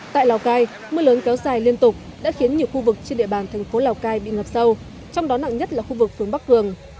tại lào cai mưa lớn kéo dài liên tục đã khiến nhiều khu vực trên địa bàn thành phố lào cai bị ngập sâu trong đó nặng nhất là khu vực phương bắc cường